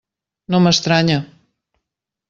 No m'estranya.